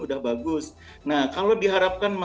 udah bagus nah kalau diharapkan